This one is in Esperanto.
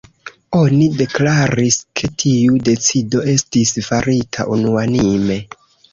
Oni deklaris, ke tiu decido estis farita unuanime.